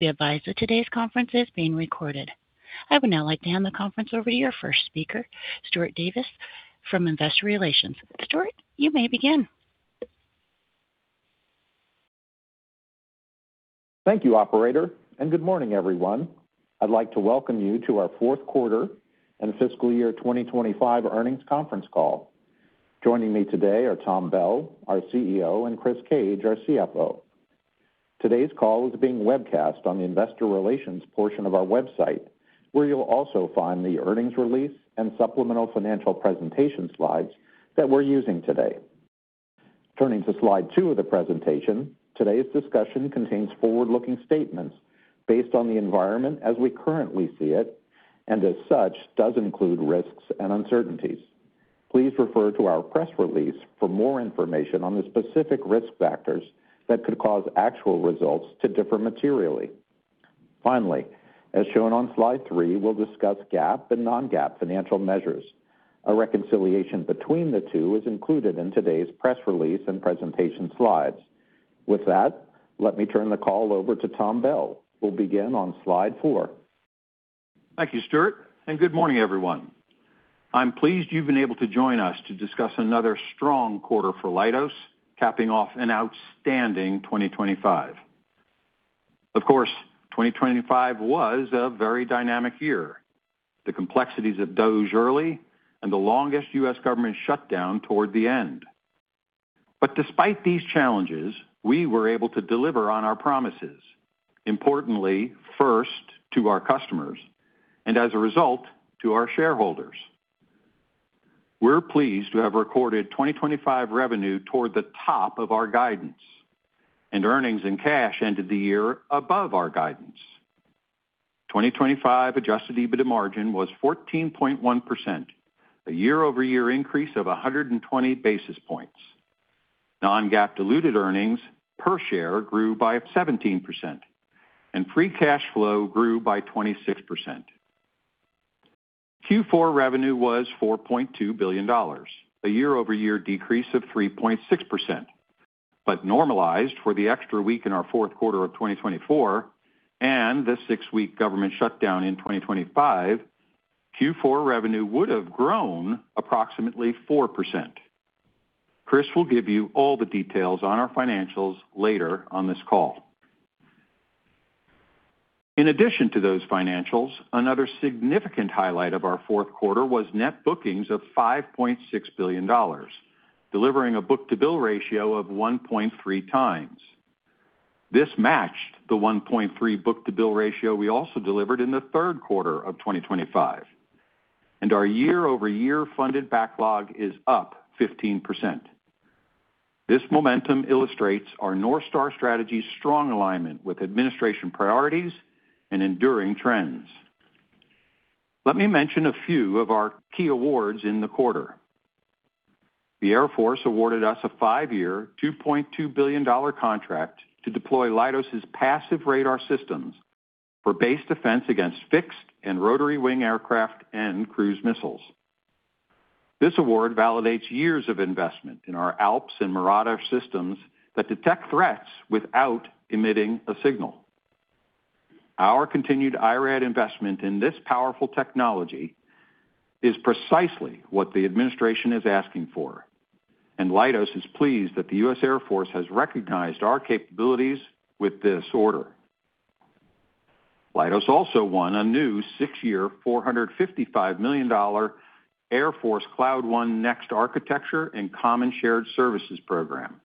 Be advised that today's conference is being recorded. I would now like to hand the conference over to your first speaker, Stuart Davis, from Investor Relations. Stuart, you may begin. Thank you, operator, and good morning, everyone. I'd like to welcome you to our Fourth Quarter and Fiscal Year 2025 Earnings Conference Call. Joining me today are Tom Bell, our CEO, and Chris Cage, our CFO. Today's call is being webcast on the investor relations portion of our website, where you'll also find the earnings release and supplemental financial presentation slides that we're using today. Turning to slide two of the presentation, today's discussion contains forward-looking statements based on the environment as we currently see it, and as such, does include risks and uncertainties. Please refer to our press release for more information on the specific risk factors that could cause actual results to differ materially. Finally, as shown on slide three, we'll discuss GAAP and non-GAAP financial measures. A reconciliation between the two is included in today's press release and presentation slides. With that, let me turn the call over to Tom Bell, who'll begin on slide four. Thank you, Stuart, and good morning, everyone. I'm pleased you've been able to join us to discuss another strong quarter for Leidos, capping off an outstanding 2025. Of course, 2025 was a very dynamic year. The complexities of DOGE early and the longest U.S. government shutdown toward the end. But despite these challenges, we were able to deliver on our promises, importantly, first to our customers and as a result, to our shareholders. We're pleased to have recorded 2025 revenue toward the top of our guidance, and earnings and cash ended the year above our guidance. 2025 Adjusted EBITDA margin was 14.1%, a year-over-year increase of 120 basis points. Non-GAAP diluted earnings per share grew by 17%, and free cash flow grew by 26%. Q4 revenue was $4.2 billion, a year-over-year decrease of 3.6%. But normalized for the extra week in our fourth quarter of 2024 and the six-week government shutdown in 2025, Q4 revenue would have grown approximately 4%. Chris will give you all the details on our financials later on this call. In addition to those financials, another significant highlight of our fourth quarter was net bookings of $5.6 billion, delivering a book-to-bill ratio of 1.3 times. This matched the 1.3 book-to-bill ratio we also delivered in the third quarter of 2025, and our year-over-year funded backlog is up 15%. This momentum illustrates our NorthStar strategy's strong alignment with administration priorities and enduring trends. Let me mention a few of our key awards in the quarter. The Air Force awarded us a five-year, $2.2 billion contract to deploy Leidos' passive radar systems for base defense against fixed and rotary wing aircraft and cruise missiles. This award validates years of investment in our ALPS and Mirador systems that detect threats without emitting a signal. Our continued IRAD investment in this powerful technology is precisely what the administration is asking for, and Leidos is pleased that the U.S. Air Force has recognized our capabilities with this order. Leidos also won a new six-year, $455 million Air Force Cloud One Next Architecture and Common Shared Services program.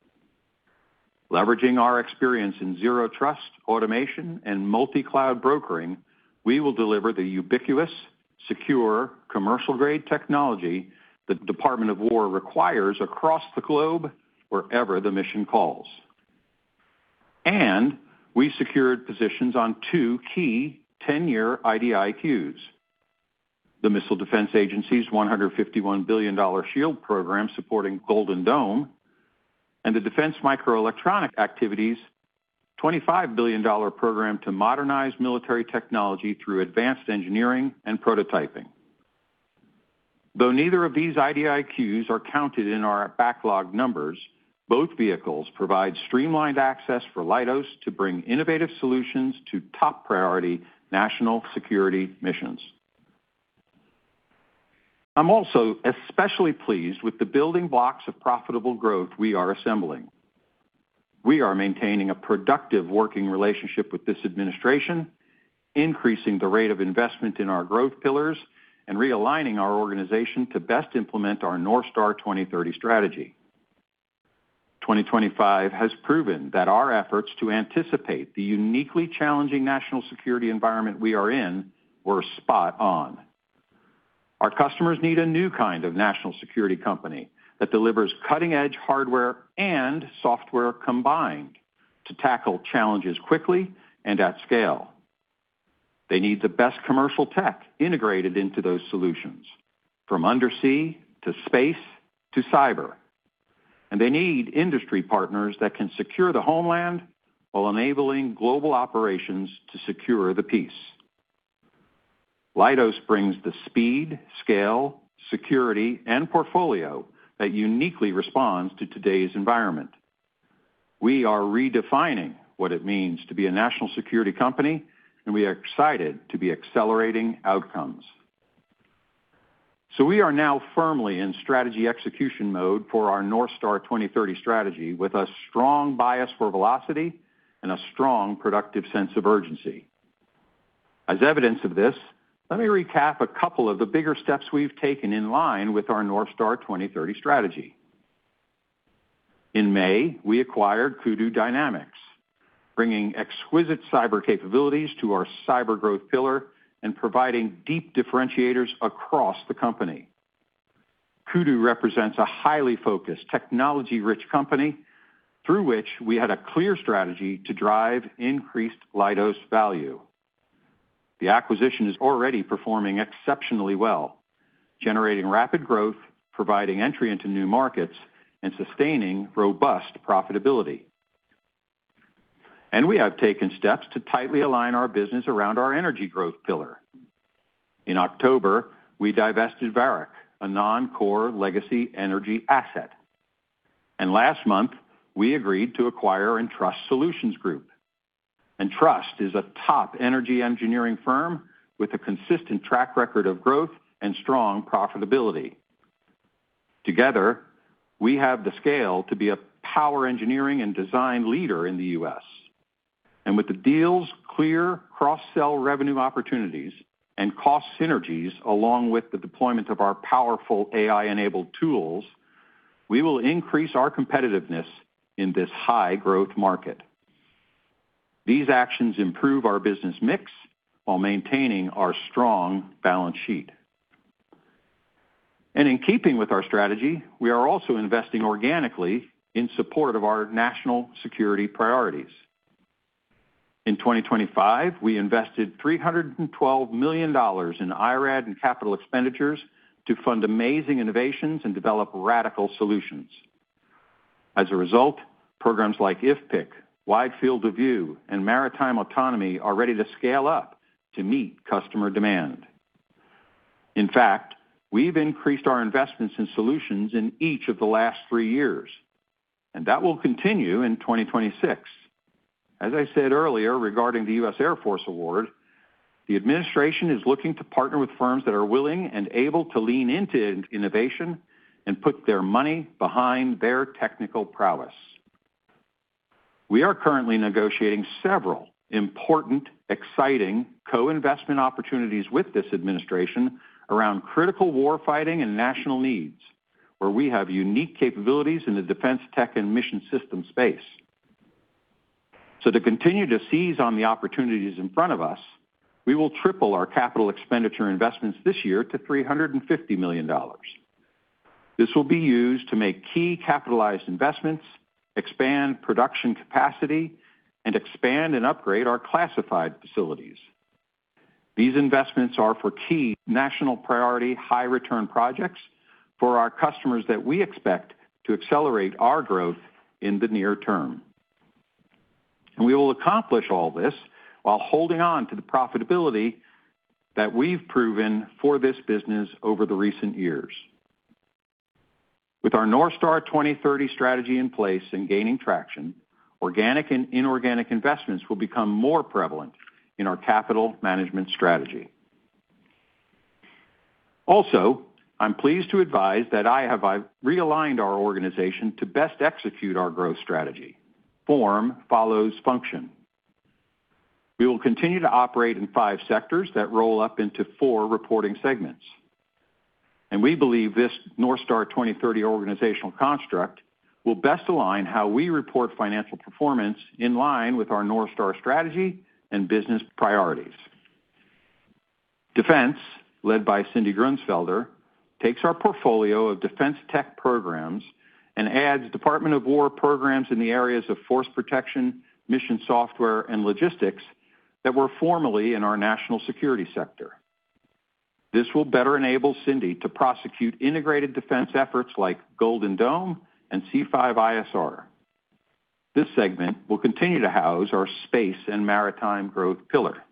Leveraging our experience in Zero Trust, automation, and multi-cloud brokering, we will deliver the ubiquitous, secure, commercial-grade technology the Department of War requires across the globe wherever the mission calls. We secured positions on two key 10-year IDIQs, the Missile Defense Agency's $151 billion SHIELD program, supporting Golden Dome, and the Defense Microelectronics Activity's $25 billion program to modernize military technology through advanced engineering and prototyping. Though neither of these IDIQs are counted in our backlog numbers, both vehicles provide streamlined access for Leidos to bring innovative solutions to top-priority national security missions. I'm also especially pleased with the building blocks of profitable growth we are assembling. We are maintaining a productive working relationship with this administration, increasing the rate of investment in our growth pillars, and realigning our organization to best implement our NorthStar 2030 strategy. 2025 has proven that our efforts to anticipate the uniquely challenging national security environment we are in were spot on. Our customers need a new kind of national security company that delivers cutting-edge hardware and software combined to tackle challenges quickly and at scale. They need the best commercial tech integrated into those solutions, from undersea to space to cyber, and they need industry partners that can secure the homeland while enabling global operations to secure the peace. Leidos brings the speed, scale, security, and portfolio that uniquely responds to today's environment. We are redefining what it means to be a national security company, and we are excited to be accelerating outcomes. So we are now firmly in strategy execution mode for our NorthStar 2030 strategy, with a strong bias for velocity and a strong, productive sense of urgency. As evidence of this, let me recap a couple of the bigger steps we've taken in line with our NorthStar 2030 strategy. In May, we acquired Kudu Dynamics, bringing exquisite cyber capabilities to our cyber growth pillar and providing deep differentiators across the company. Kudu represents a highly focused, technology-rich company through which we had a clear strategy to drive increased Leidos value. The acquisition is already performing exceptionally well, generating rapid growth, providing entry into new markets, and sustaining robust profitability. We have taken steps to tightly align our business around our energy growth pillar. In October, we divested Varec, a non-core legacy energy asset. Last month, we agreed to acquire ENTRUST Solutions Group. ENTRUST is a top energy engineering firm with a consistent track record of growth and strong profitability. Together, we have the scale to be a power engineering and design leader in the US. With the deal's clear cross-sell revenue opportunities and cost synergies, along with the deployment of our powerful AI-enabled tools, we will increase our competitiveness in this high-growth market. These actions improve our business mix while maintaining our strong balance sheet. In keeping with our strategy, we are also investing organically in support of our national security priorities. In 2025, we invested $312 million in IRAD and capital expenditures to fund amazing innovations and develop radical solutions. As a result, programs like IFPC, Wide Field of View, and Maritime Autonomy are ready to scale up to meet customer demand. In fact, we've increased our investments in solutions in each of the last three years, and that will continue in 2026. As I said earlier regarding the U.S. Air Force award, the administration is looking to partner with firms that are willing and able to lean into innovation and put their money behind their technical prowess. We are currently negotiating several important, exciting co-investment opportunities with this administration around critical war fighting and national needs, where we have unique capabilities in the defense, tech, and mission system space. So to continue to seize on the opportunities in front of us, we will triple our capital expenditure investments this year to $350 million. This will be used to make key capitalized investments, expand production capacity, and expand and upgrade our classified facilities. These investments are for key national priority, high-return projects for our customers that we expect to accelerate our growth in the near term. We will accomplish all this while holding on to the profitability that we've proven for this business over the recent years. With our NorthStar 2030 strategy in place and gaining traction, organic and inorganic investments will become more prevalent in our capital management strategy. Also, I'm pleased to advise that I have realigned our organization to best execute our growth strategy. Form follows function. We will continue to operate in five sectors that roll up into four reporting segments, and we believe this NorthStar 2030 organizational construct will best align how we report financial performance in line with our NorthStar strategy and business priorities. Defense, led by Cindy Gruensfelder, takes our portfolio of defense tech programs and adds Department of War programs in the areas of force protection, mission software, and logistics that were formerly in our national security sector. This will better enable Cindy to prosecute integrated defense efforts like Golden Dome and C5ISR. This segment will continue to house our space and maritime growth pillar.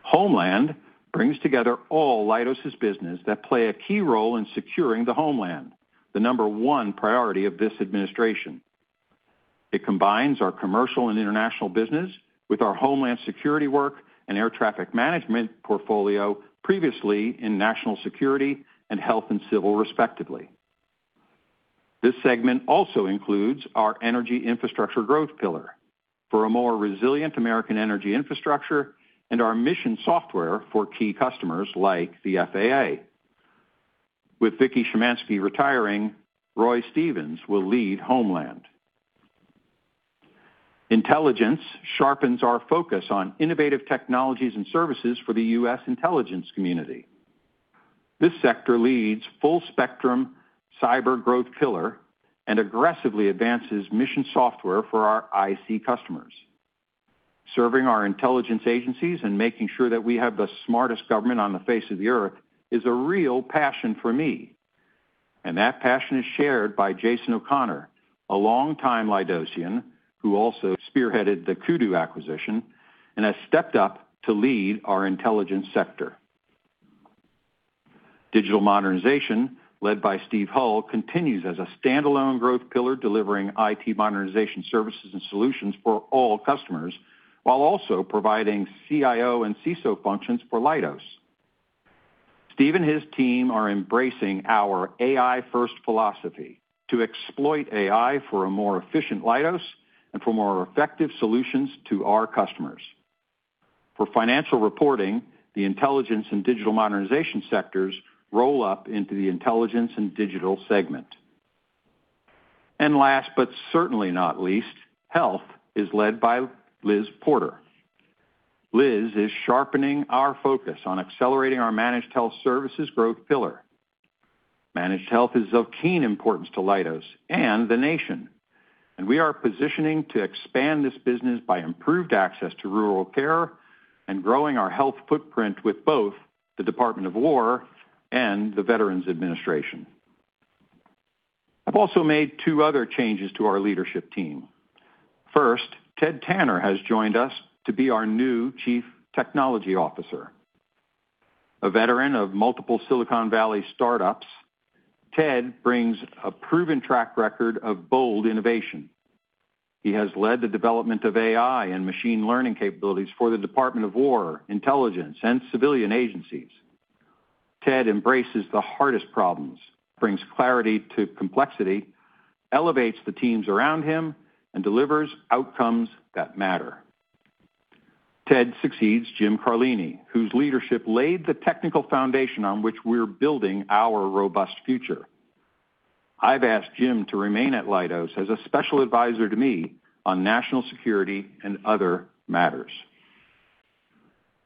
Homeland brings together all Leidos' business that play a key role in securing the homeland, the number one priority of this administration. It combines our commercial and international business with our Homeland Security work and air traffic management portfolio previously in National Security and Health and Civil, respectively. This segment also includes our energy infrastructure growth pillar for a more resilient American energy infrastructure and our mission software for key customers like the FAA. With Vicki Szymanski retiring, Roy Stevens will lead Homeland. Intelligence sharpens our focus on innovative technologies and services for the U.S. intelligence community. This sector leads full-spectrum cyber growth pillar and aggressively advances mission software for our IC customers. Serving our intelligence agencies and making sure that we have the smartest government on the face of the earth is a real passion for me. And that passion is shared by Jason O'Connor, a longtime Leidosian, who also spearheaded the Kudu acquisition and has stepped up to lead our intelligence sector. Digital modernization, led by Steve Hull, continues as a standalone growth pillar, delivering IT modernization services and solutions for all customers, while also providing CIO and CISO functions for Leidos. Steve and his team are embracing our AI-first philosophy to exploit AI for a more efficient Leidos and for more effective solutions to our customers. For financial reporting, the intelligence and digital modernization sectors roll up into the intelligence and digital segment. Last, but certainly not least, health is led by Liz Porter. Liz is sharpening our focus on accelerating our managed health services growth pillar. Managed health is of keen importance to Leidos and the nation, and we are positioning to expand this business by improved access to rural care and growing our health footprint with both the Department of Defense and the Veterans Administration. I've also made two other changes to our leadership team. First, Ted Tanner has joined us to be our new Chief Technology Officer. A veteran of multiple Silicon Valley startups, Ted brings a proven track record of bold innovation. He has led the development of AI and machine learning capabilities for the Department of Defense, intelligence, and civilian agencies. Ted embraces the hardest problems, brings clarity to complexity, elevates the teams around him, and delivers outcomes that matter. Ted succeeds Jim Carlini, whose leadership laid the technical foundation on which we're building our robust future. I've asked Jim Carlini to remain at Leidos as a special advisor to me on national security and other matters.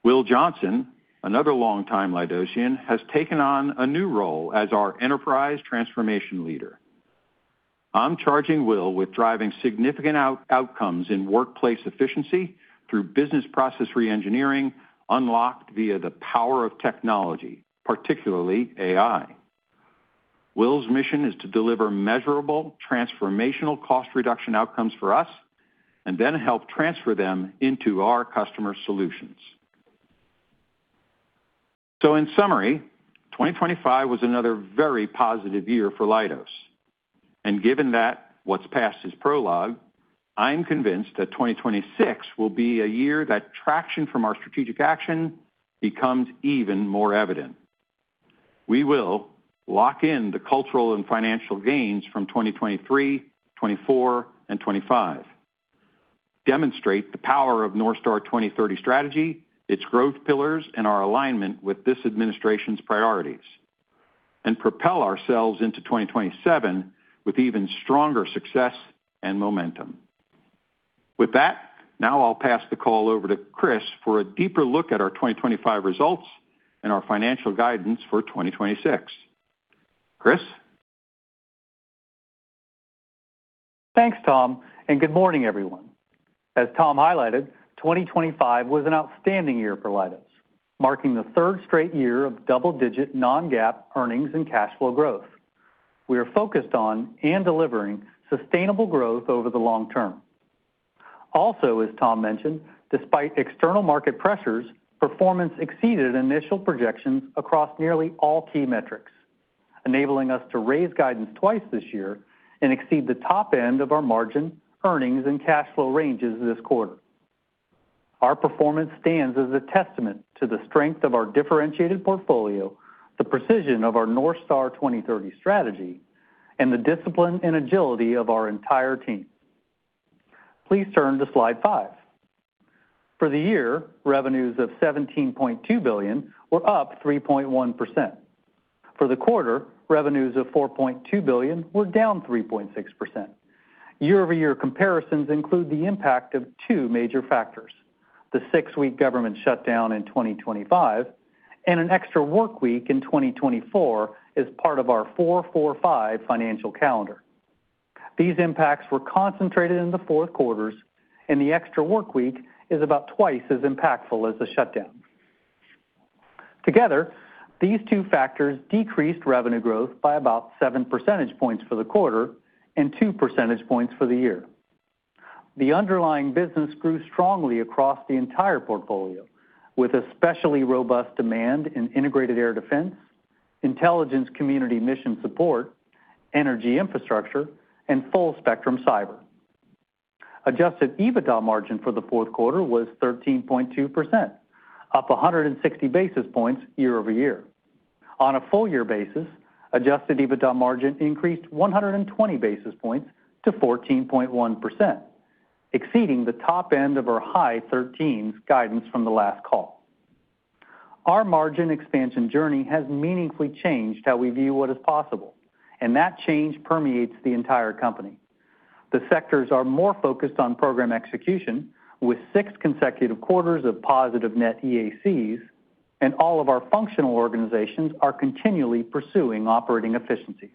Will Johnson, another longtime Leidosian, has taken on a new role as our enterprise transformation leader. I'm charging Will with driving significant outcomes in workplace efficiency through business process reengineering, unlocked via the power of technology, particularly AI. Will's mission is to deliver measurable, transformational cost reduction outcomes for us and then help transfer them into our customer solutions. So in summary, 2025 was another very positive year for Leidos, and given that what's past is prologue, I'm convinced that 2026 will be a year that traction from our strategic action becomes even more evident. We will lock in the cultural and financial gains from 2023, 2024, and 2025, demonstrate the power of NorthStar 2030 strategy, its growth pillars, and our alignment with this administration's priorities, and propel ourselves into 2027 with even stronger success and momentum. With that, now I'll pass the call over to Chris for a deeper look at our 2025 results and our financial guidance for 2026. Chris? Thanks, Tom, and good morning, everyone. As Tom highlighted, 2025 was an outstanding year for Leidos, marking the third straight year of double-digit non-GAAP earnings and cash flow growth. We are focused on and delivering sustainable growth over the long term. Also, as Tom mentioned, despite external market pressures, performance exceeded initial projections across nearly all key metrics, enabling us to raise guidance twice this year and exceed the top end of our margin, earnings, and cash flow ranges this quarter. Our performance stands as a testament to the strength of our differentiated portfolio, the precision of our NorthStar 2030 strategy, and the discipline and agility of our entire team. Please turn to slide five. For the year, revenues of $17.2 billion were up 3.1%. For the quarter, revenues of $4.2 billion were down 3.6%. Year-over-year comparisons include the impact of two major factors, the six-week government shutdown in 2025 and an extra workweek in 2024 as part of our 4-4-5 financial calendar. These impacts were concentrated in the fourth quarters, and the extra workweek is about twice as impactful as the shutdown. Together, these two factors decreased revenue growth by about 7 percentage points for the quarter and 2 percentage points for the year. The underlying business grew strongly across the entire portfolio, with especially robust demand in integrated air defense, intelligence community mission support, energy infrastructure, and full-spectrum cyber. Adjusted EBITDA margin for the fourth quarter was 13.2%, up 160 basis points year-over-year. On a full year basis, adjusted EBITDA margin increased 120 basis points to 14.1%, exceeding the top end of our high 13 guidance from the last call. Our margin expansion journey has meaningfully changed how we view what is possible, and that change permeates the entire company. The sectors are more focused on program execution, with six consecutive quarters of positive net EAC's, and all of our functional organizations are continually pursuing operating efficiencies.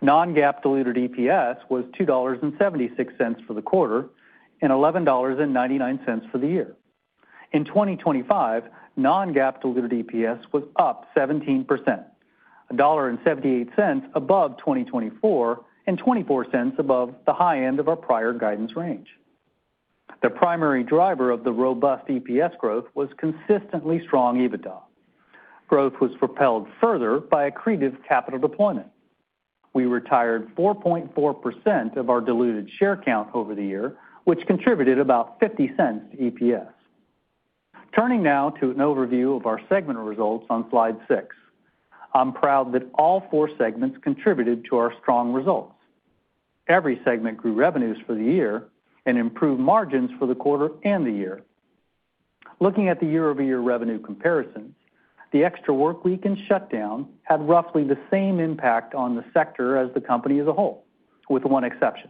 Non-GAAP diluted EPS was $2.76 for the quarter and $11.99 for the year. In 2025, non-GAAP diluted EPS was up 17%, $1.78 above 2024, and 24 cents above the high end of our prior guidance range. The primary driver of the robust EPS growth was consistently strong EBITDA. Growth was propelled further by accretive capital deployment. We retired 4.4% of our diluted share count over the year, which contributed about $0.50 to EPS. Turning now to an overview of our segment results on slide six. I'm proud that all four segments contributed to our strong results. Every segment grew revenues for the year and improved margins for the quarter and the year. Looking at the year-over-year revenue comparison, the extra workweek and shutdown had roughly the same impact on the sector as the company as a whole, with one exception.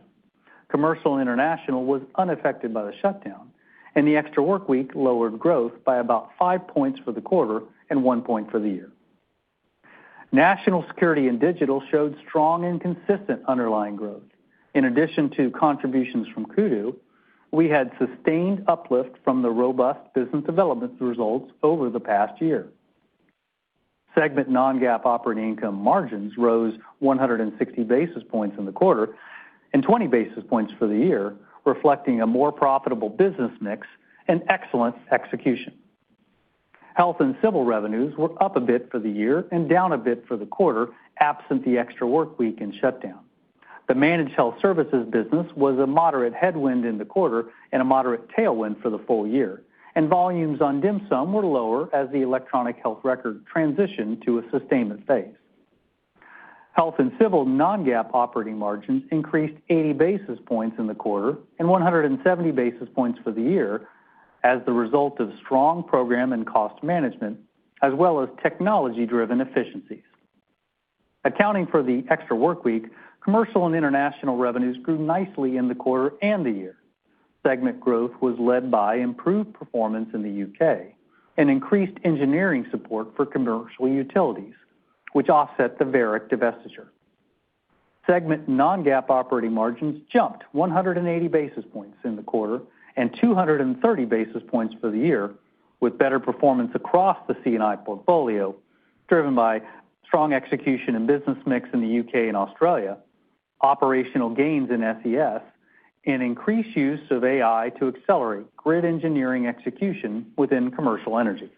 Commercial International was unaffected by the shutdown, and the extra workweek lowered growth by about 5 points for the quarter and 1 point for the year. National Security and Digital showed strong and consistent underlying growth. In addition to contributions from Kudu, we had sustained uplift from the robust business development results over the past year. Segment Non-GAAP operating income margins rose 160 basis points in the quarter and 20 basis points for the year, reflecting a more profitable business mix and excellent execution. Health and Civil revenues were up a bit for the year and down a bit for the quarter, absent the extra workweek and shutdown. The Managed Health Services business was a moderate headwind in the quarter and a moderate tailwind for the full year, and volumes on DHMSM were lower as the electronic health record transitioned to a sustainment phase. Health and Civil Non-GAAP operating margins increased 80 basis points in the quarter and 170 basis points for the year as the result of strong program and cost management, as well as technology-driven efficiencies. Accounting for the extra workweek, Commercial and International revenues grew nicely in the quarter and the year. Segment growth was led by improved performance in the UK and increased engineering support for commercial utilities, which offset the Varec divestiture. Segment non-GAAP operating margins jumped 180 basis points in the quarter and 230 basis points for the year, with better performance across the C&I portfolio, driven by strong execution and business mix in the UK and Australia, operational gains in SES, and increased use of AI to accelerate grid engineering execution within commercial energy.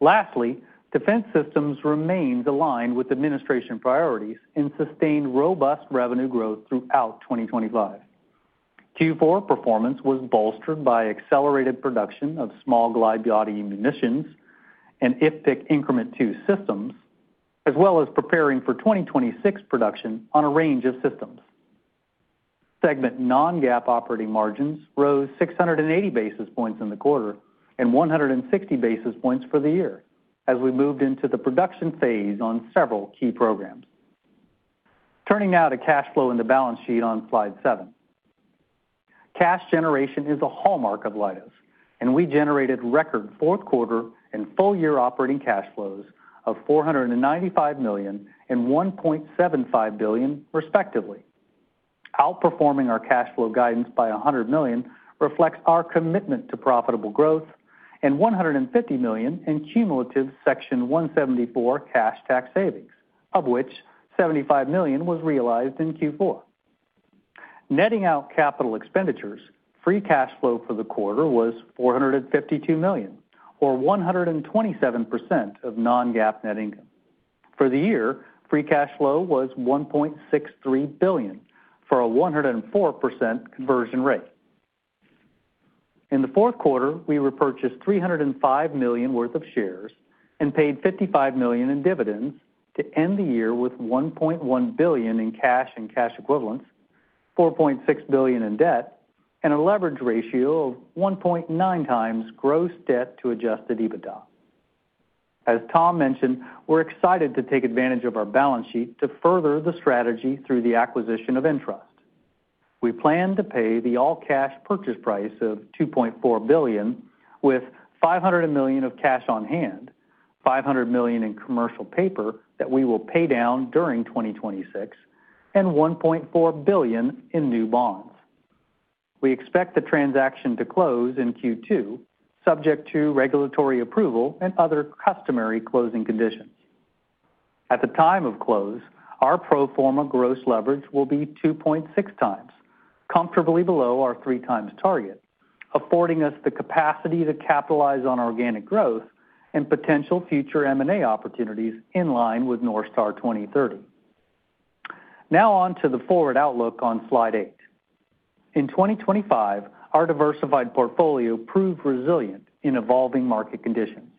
Lastly, Defense Systems remains aligned with administration priorities and sustained robust revenue growth throughout 2025. Q4 performance was bolstered by accelerated production of small glide body munitions and IFPC Increment 2 systems, as well as preparing for 2026 production on a range of systems. Segment non-GAAP operating margins rose 680 basis points in the quarter and 160 basis points for the year as we moved into the production phase on several key programs. Turning now to cash flow and the balance sheet on slide seven. Cash generation is a hallmark of Leidos, and we generated record fourth quarter and full-year operating cash flows of $495 million and $1.75 billion, respectively. Outperforming our cash flow guidance by $100 million reflects our commitment to profitable growth and $150 million in cumulative Section 174 cash tax savings, of which $75 million was realized in Q4. Netting out capital expenditures, free cash flow for the quarter was $452 million, or 127% of non-GAAP net income. For the year, free cash flow was $1.63 billion, for a 104% conversion rate. In the fourth quarter, we repurchased $305 million worth of shares and paid $55 million in dividends to end the year with $1.1 billion in cash and cash equivalents, $4.6 billion in debt, and a leverage ratio of 1.9 times gross debt to Adjusted EBITDA. As Tom mentioned, we're excited to take advantage of our balance sheet to further the strategy through the acquisition of Entrust. We plan to pay the all-cash purchase price of $2.4 billion, with $500 million of cash on hand, $500 million in commercial paper that we will pay down during 2026, and $1.4 billion in new bonds. We expect the transaction to close in Q2, subject to regulatory approval and other customary closing conditions. At the time of close, our pro forma gross leverage will be 2.6x, comfortably below our 3x target, affording us the capacity to capitalize on organic growth and potential future M&A opportunities in line with NorthStar 2030. Now on to the forward outlook on slide eight. In 2025, our diversified portfolio proved resilient in evolving market conditions.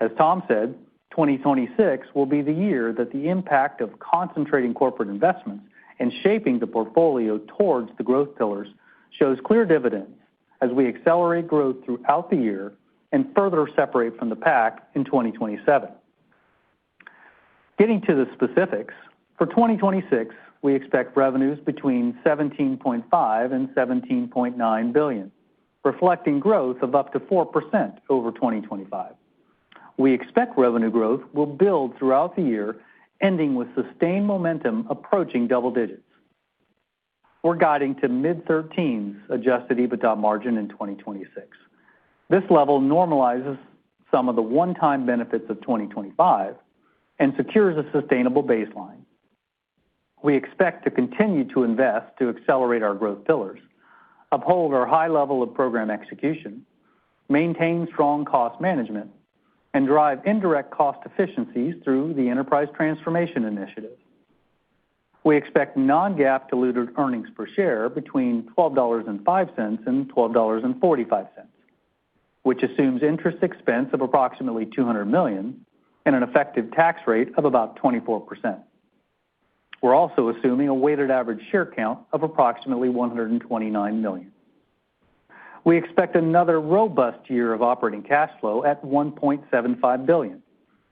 As Tom said, 2026 will be the year that the impact of concentrating corporate investments and shaping the portfolio towards the growth pillars shows clear dividends as we accelerate growth throughout the year and further separate from the pack in 2027. Getting to the specifics, for 2026, we expect revenues between $17.5 billion and $17.9 billion, reflecting growth of up to 4% over 2025. We expect revenue growth will build throughout the year, ending with sustained momentum approaching double digits. We're guiding to mid-13 Adjusted EBITDA margin in 2026. This level normalizes some of the one-time benefits of 2025 and secures a sustainable baseline. We expect to continue to invest to accelerate our growth pillars, uphold our high level of program execution, maintain strong cost management, and drive indirect cost efficiencies through the enterprise transformation initiative. We expect non-GAAP diluted earnings per share between $12.05 and $12.45, which assumes interest expense of approximately $200 million and an effective tax rate of about 24%. We're also assuming a weighted average share count of approximately 129 million. We expect another robust year of operating cash flow at $1.75 billion,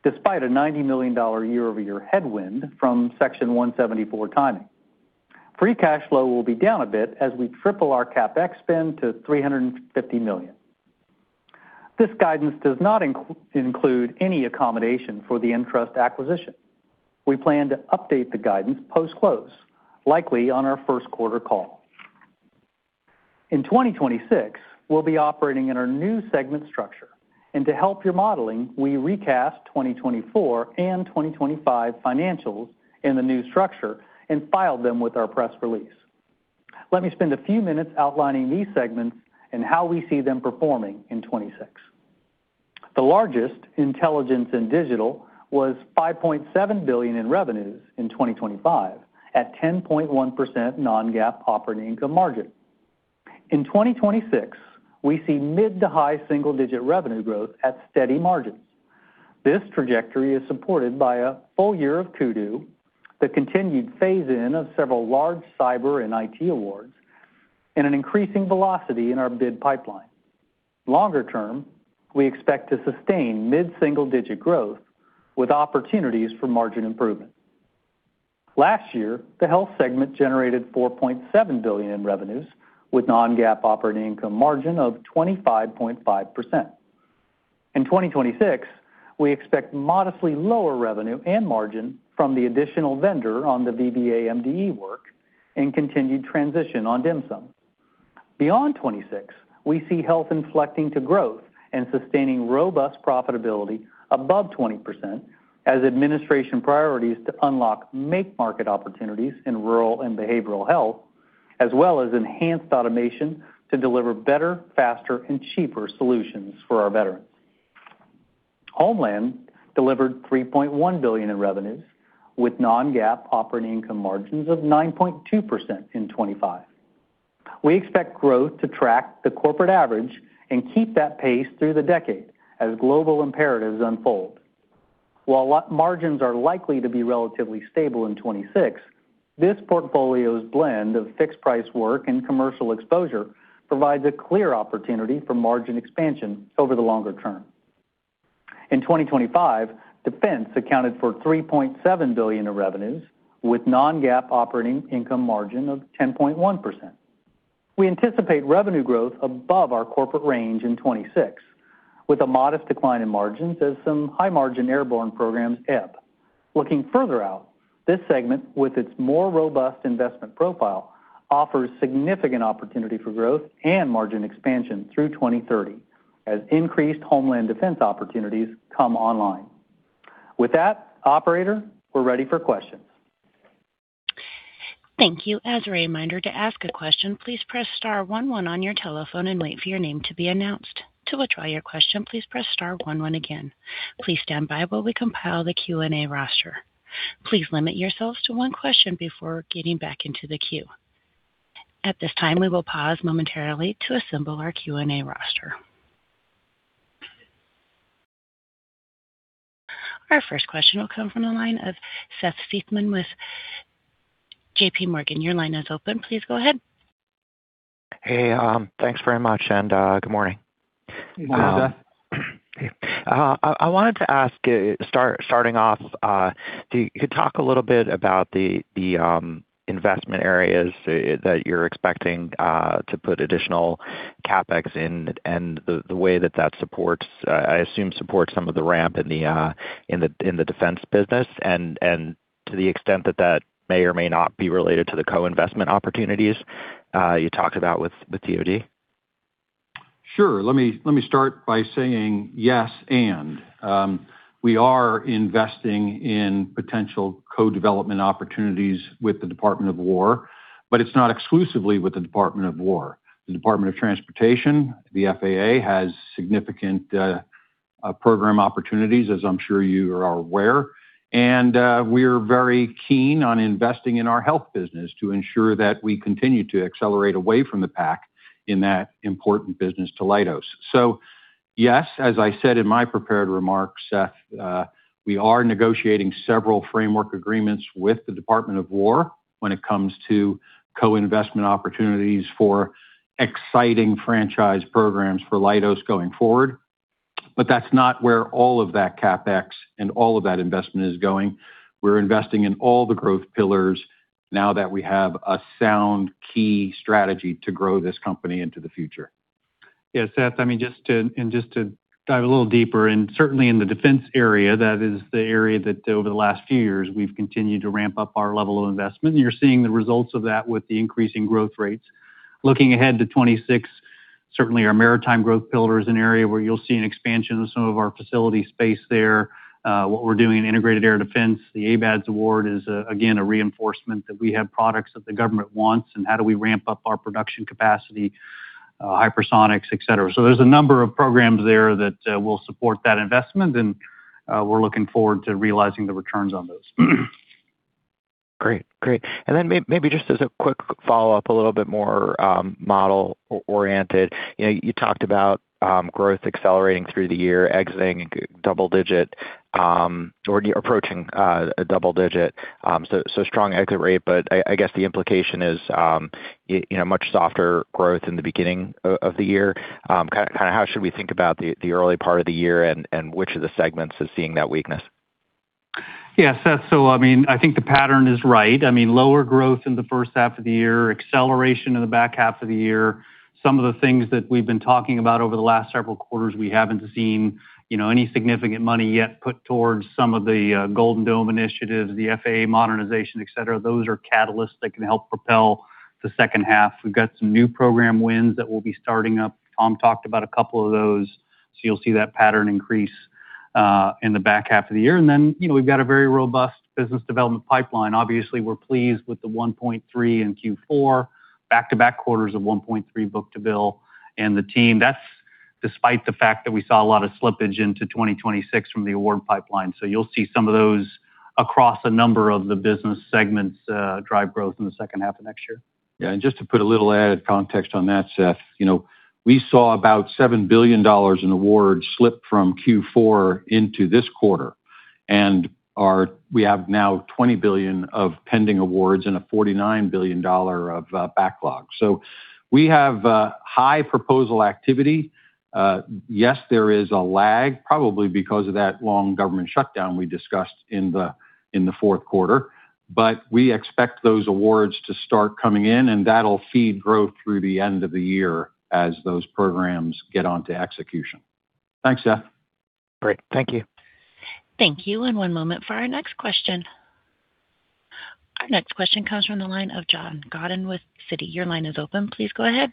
despite a $90 million year-over-year headwind from Section 174 timing. Free cash flow will be down a bit as we triple our CapEx spend to $350 million. This guidance does not include any accommodation for the Entrust acquisition. We plan to update the guidance post-close, likely on our first quarter call. In 2026, we'll be operating in our new segment structure, and to help your modeling, we recast 2024 and 2025 financials in the new structure and filed them with our press release. Let me spend a few minutes outlining these segments and how we see them performing in 2026. The largest, intelligence and digital, was $5.7 billion in revenues in 2025 at 10.1% non-GAAP operating income margin. In 2026, we see mid- to high single-digit revenue growth at steady margins. This trajectory is supported by a full year of Kudu, the continued phase-in of several large cyber and IT awards, and an increasing velocity in our bid pipeline. Longer term, we expect to sustain mid-single-digit growth with opportunities for margin improvement. Last year, the health segment generated $4.7 billion in revenues, with non-GAAP operating income margin of 25.5%. In 2026, we expect modestly lower revenue and margin from the additional vendor on the VBA MDE work and continued transition on DHMSM. Beyond 2026, we see health inflecting to growth and sustaining robust profitability above 20% as administration priorities to unlock make market opportunities in rural and behavioral health, as well as enhanced automation to deliver better, faster, and cheaper solutions for our veterans. Homeland delivered $3.1 billion in revenues, with non-GAAP operating income margins of 9.2% in 2025. We expect growth to track the corporate average and keep that pace through the decade as global imperatives unfold. While margins are likely to be relatively stable in 2026, this portfolio's blend of fixed-price work and commercial exposure provides a clear opportunity for margin expansion over the longer term. In 2025, defense accounted for $3.7 billion of revenues, with non-GAAP operating income margin of 10.1%. We anticipate revenue growth above our corporate range in 2026, with a modest decline in margins as some high-margin airborne programs ebb. Looking further out, this segment, with its more robust investment profile, offers significant opportunity for growth and margin expansion through 2030 as increased homeland defense opportunities come online. With that, operator, we're ready for questions. Thank you. As a reminder, to ask a question, please press star one one on your telephone and wait for your name to be announced. To withdraw your question, please press star one one again. Please stand by while we compile the Q&A roster. Please limit yourselves to one question before getting back into the queue. At this time, we will pause momentarily to assemble our Q&A roster. Our first question will come from the line of Seth Seifman with JP Morgan. Your line is open. Please go ahead. Hey, thanks very much, and good morning. Good morning, Seth. I wanted to ask, starting off, could you talk a little bit about the investment areas that you're expecting to put additional CapEx in and the way that that supports, I assume, supports some of the ramp in the defense business, and to the extent that that may or may not be related to the co-investment opportunities you talked about with DoD? Sure. Let me, let me start by saying yes, and. We are investing in potential co-development opportunities with the Department of War, but it's not exclusively with the Department of War. The Department of Transportation, the FAA, has significant program opportunities, as I'm sure you are aware, and we're very keen on investing in our health business to ensure that we continue to accelerate away from the pack in that important business to Leidos. So yes, as I said in my prepared remarks, Seth, we are negotiating several framework agreements with the Department of War when it comes to co-investment opportunities for exciting franchise programs for Leidos going forward. But that's not where all of that CapEx and all of that investment is going. We're investing in all the growth pillars, now that we have a sound, key strategy to grow this company into the future. Yes, Seth, I mean, just to dive a little deeper, and certainly in the defense area, that is the area that over the last few years, we've continued to ramp up our level of investment, and you're seeing the results of that with the increasing growth rates. Looking ahead to 2026, certainly our maritime growth pillar is an area where you'll see an expansion of some of our facility space there. What we're doing in integrated air defense, the ABADS award is again a reinforcement that we have products that the government wants, and how do we ramp up our production capacity, hypersonics, et cetera. So there's a number of programs there that will support that investment, and we're looking forward to realizing the returns on those. Great. Great. And then maybe just as a quick follow-up, a little bit more, model oriented. You know, you talked about, growth accelerating through the year, exiting double digit, or approaching, a double digit, so, so strong exit rate. But I guess, the implication is, you know, much softer growth in the beginning of the year. Kind of how should we think about the, the early part of the year, and, and which of the segments is seeing that weakness? Yeah, Seth, so I mean, I think the pattern is right. I mean, lower growth in the first half of the year, acceleration in the back half of the year. Some of the things that we've been talking about over the last several quarters, we haven't seen, you know, any significant money yet put towards some of the Golden Dome initiatives, the FAA modernization, et cetera. Those are catalysts that can help propel the second half. We've got some new program wins that we'll be starting up. Tom talked about a couple of those, so you'll see that pattern increase in the back half of the year. And then, you know, we've got a very robust business development pipeline. Obviously, we're pleased with the 1.3 in Q4, back-to-back quarters of 1.3 book-to-bill, and the team. That's despite the fact that we saw a lot of slippage into 2026 from the award pipeline. So you'll see some of those across a number of the business segments, drive growth in the second half of next year. Yeah, and just to put a little added context on that, Seth, you know, we saw about $7 billion in awards slip from Q4 into this quarter, and we have now $20 billion of pending awards and a $49 billion of backlog. So we have high proposal activity. Yes, there is a lag, probably because of that long government shutdown we discussed in the fourth quarter, but we expect those awards to start coming in, and that'll feed growth through the end of the year as those programs get onto execution. Thanks, Seth. Great. Thank you. Thank you, and one moment for our next question. Our next question comes from the line of John Godden with Citi. Your line is open. Please go ahead.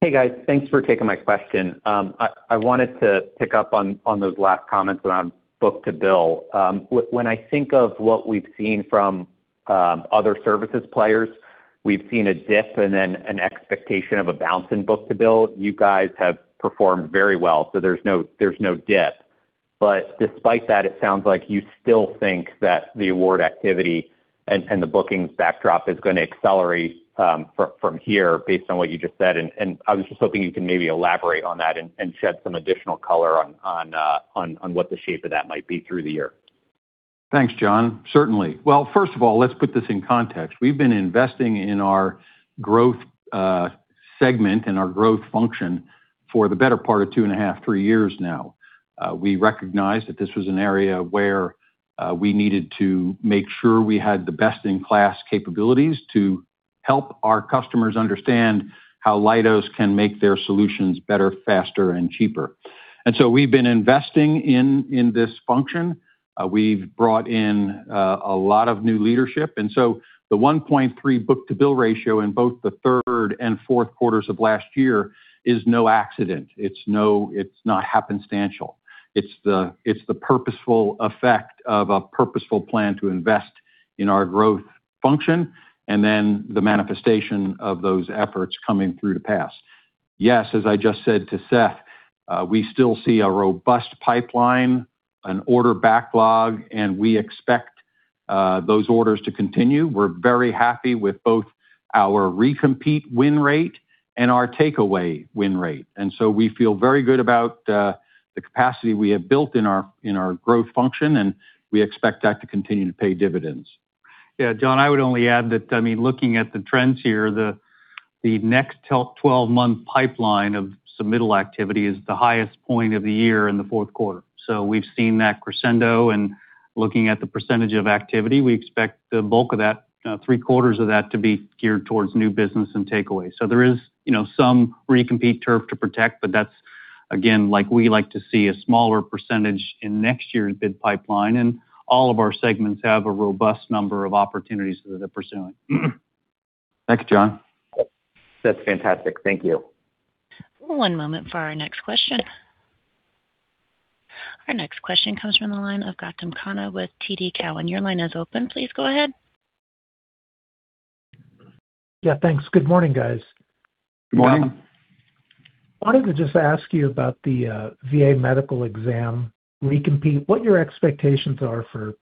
Hey, guys. Thanks for taking my question. I wanted to pick up on those last comments around book-to-bill. When I think of what we've seen from other services players, we've seen a dip and then an expectation of a bounce in book-to-bill. You guys have performed very well, so there's no dip. But despite that, it sounds like you still think that the award activity and the bookings backdrop is gonna accelerate from here, based on what you just said. I was just hoping you could maybe elaborate on that and shed some additional color on what the shape of that might be through the year. Thanks, John. Certainly. Well, first of all, let's put this in context. We've been investing in our growth segment and our growth function for the better part of two and a half to three years now. We recognized that this was an area where we needed to make sure we had the best-in-class capabilities to help our customers understand how Leidos can make their solutions better, faster, and cheaper. And so we've been investing in this function. We've brought in a lot of new leadership, and so the 1.3 book-to-bill ratio in both the third and fourth quarters of last year is no accident. It's not happenstance. It's the purposeful effect of a purposeful plan to invest in our growth function, and then the manifestation of those efforts coming to pass. Yes, as I just said to Seth, we still see a robust pipeline, an order backlog, and we expect those orders to continue. We're very happy with both our recompete win rate and our takeaway win rate, and so we feel very good about the capacity we have built in our growth function, and we expect that to continue to pay dividends. Yeah, John, I would only add that, I mean, looking at the trends here, the next 12 month pipeline of submittal activity is the highest point of the year in the fourth quarter. So we've seen that crescendo, and looking at the percentage of activity, we expect the bulk of that, three-quarters of that to be geared towards new business and takeaways. So there is, you know, some recompete turf to protect, but that's, again, like we like to see a smaller percentage in next year's bid pipeline, and all of our segments have a robust number of opportunities that they're pursuing. Thanks, John. That's fantastic. Thank you. One moment for our next question. Our next question comes from the line of Gautam Khanna with TD Cowen. Your line is open. Please go ahead. Yeah, thanks. Good morning, guys. Good morning. Good morning. Wanted to just ask you about the VA medical exam recompete, what your expectations are for,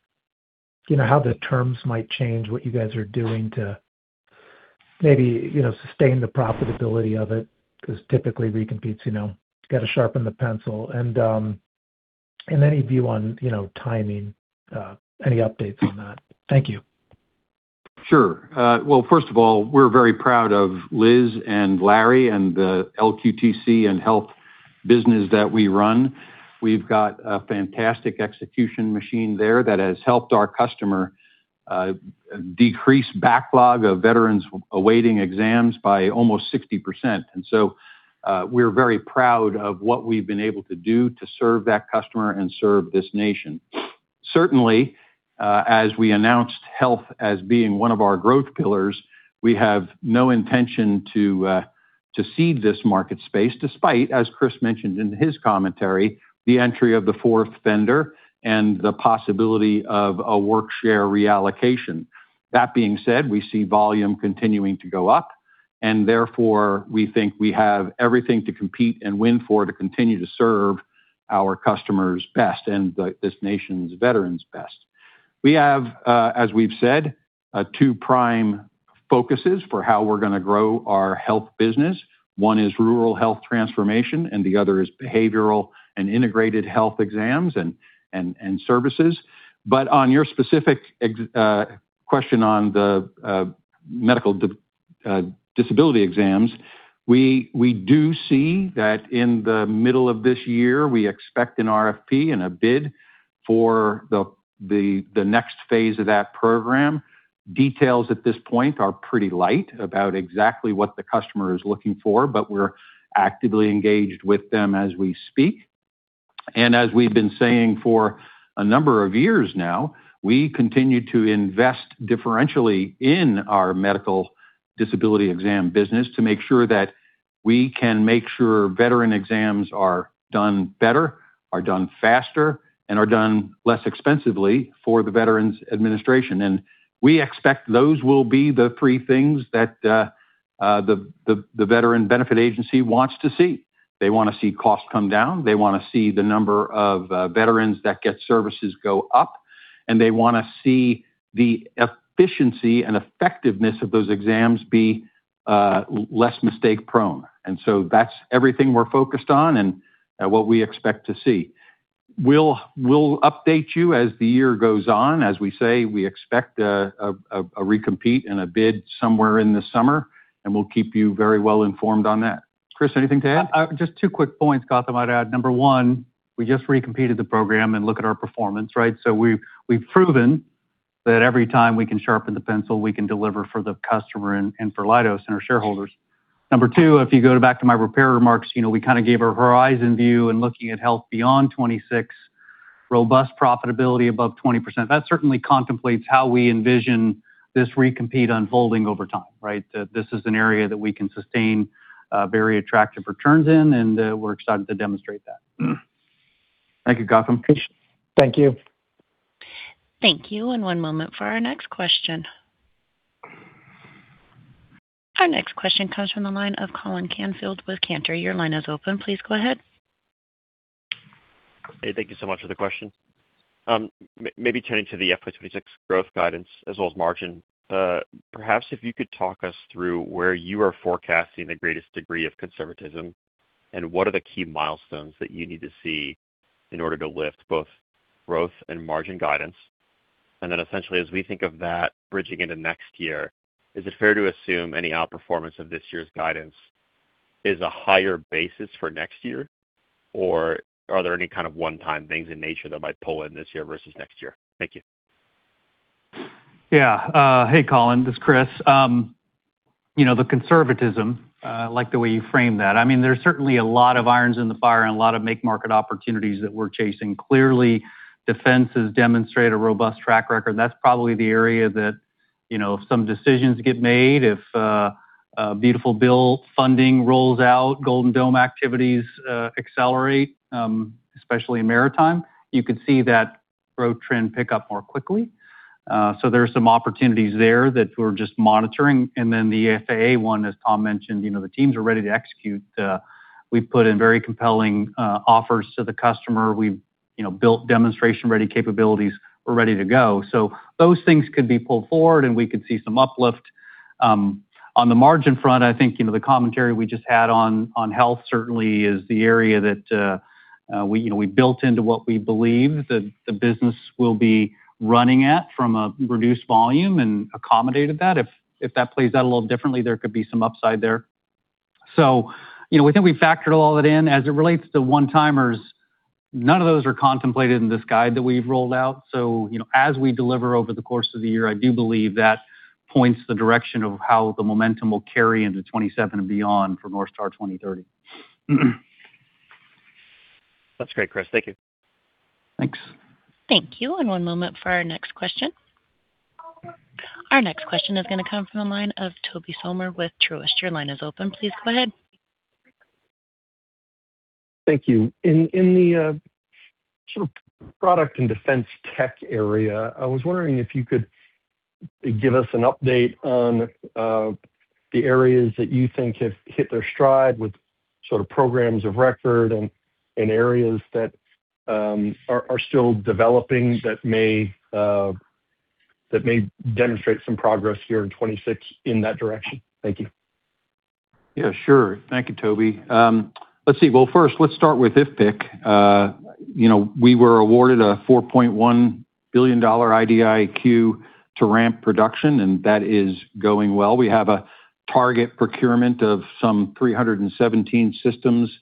you know, how the terms might change, what you guys are doing to maybe, you know, sustain the profitability of it? Because typically recompetes, you know, you got to sharpen the pencil. And, and any view on, you know, timing, any updates on that? Thank you. Sure. Well, first of all, we're very proud of Liz and Larry and the LQTC and Health business that we run. We've got a fantastic execution machine there that has helped our customer decrease backlog of veterans awaiting exams by almost 60%. And so, we're very proud of what we've been able to do to serve that customer and serve this nation. Certainly, as we announced health as being one of our growth pillars, we have no intention to cede this market space, despite, as Chris mentioned in his commentary, the entry of the fourth vendor and the possibility of a work share reallocation. That being said, we see volume continuing to go up, and therefore, we think we have everything to compete and win for, to continue to serve our customers best and this nation's veterans best. We have, as we've said, two prime focuses for how we're gonna grow our health business. One is rural health transformation, and the other is behavioral and integrated health exams and services. But on your specific question on the medical disability exams, we do see that in the middle of this year, we expect an RFP and a bid for the next phase of that program. Details at this point are pretty light about exactly what the customer is looking for, but we're actively engaged with them as we speak. As we've been saying for a number of years now, we continue to invest differentially in our medical disability exam business to make sure that we can make sure veteran exams are done better, are done faster, and are done less expensively for the Veterans Administration. We expect those will be the three things that the Veterans Benefits Administration wants to see. They want to see costs come down, they want to see the number of veterans that get services go up, and they want to see the efficiency and effectiveness of those exams be less mistake prone. And so that's everything we're focused on and what we expect to see. We'll update you as the year goes on. As we say, we expect a recompete and a bid somewhere in the summer, and we'll keep you very well informed on that. Chris, anything to add? Just two quick points, Gautam, I'd add. Number one, we just recompeted the program and look at our performance, right? So we've proven that every time we can sharpen the pencil, we can deliver for the customer and for Leidos and our shareholders. Number two, if you go back to my prepared remarks, you know, we kind of gave a horizon view and looking at health beyond 2026, robust profitability above 20%. That certainly contemplates how we envision this recompete unfolding over time, right? That this is an area that we can sustain very attractive returns in, and we're excited to demonstrate that. Thank you, Gautam. Thank you. Thank you. And one moment for our next question. Our next question comes from the line of Colin Canfield with Cantor. Your line is open. Please go ahead. Hey, thank you so much for the question. Maybe turning to the FY 2026 growth guidance as well as margin, perhaps if you could talk us through where you are forecasting the greatest degree of conservatism, and what are the key milestones that you need to see in order to lift both growth and margin guidance? And then essentially, as we think of that bridging into next year, is it fair to assume any outperformance of this year's guidance is a higher basis for next year, or are there any kind of one-time things in nature that might pull in this year versus next year? Thank you. Yeah. Hey, Colin, this is Chris. You know, the conservatism, I like the way you framed that. I mean, there's certainly a lot of irons in the fire and a lot of market opportunities that we're chasing. Clearly, defense has demonstrated a robust track record. That's probably the area that, you know, if some decisions get made, if a beautiful bill funding rolls out, Golden Dome activities accelerate, especially in maritime, you could see that growth trend pick up more quickly. So there are some opportunities there that we're just monitoring. And then the FAA one, as Tom mentioned, you know, the teams are ready to execute. We've put in very compelling offers to the customer. We've, you know, built demonstration-ready capabilities. We're ready to go. So those things could be pulled forward, and we could see some uplift. On the margin front, I think, you know, the commentary we just had on, on health certainly is the area that, we, you know, we built into what we believe that the business will be running at from a reduced volume and accommodated that. If, if that plays out a little differently, there could be some upside there. So, you know, we think we factored all that in. As it relates to one-timers, none of those are contemplated in this guide that we've rolled out. So, you know, as we deliver over the course of the year, I do believe that points the direction of how the momentum will carry into 2027 and beyond for NorthStar 2030. That's great, Chris. Thank you. Thanks. Thank you. And one moment for our next question. Our next question is going to come from the line of Tobey Sommer with Truist. Your line is open. Please go ahead. Thank you. In the sort of product and defense tech area, I was wondering if you could give us an update on the areas that you think have hit their stride with sort of programs of record and areas that are still developing, that may demonstrate some progress here in 2026 in that direction. Thank you. Yeah, sure. Thank you, Tobey. Let's see. Well, first, let's start with IFPC. You know, we were awarded a $4.1 billion IDIQ to ramp production, and that is going well. We have a target procurement of some 317 systems